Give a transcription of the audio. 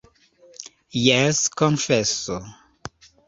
Jes, konfeso!